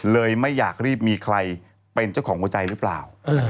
ไม่อยากรีบมีใครเป็นเจ้าของหัวใจหรือเปล่า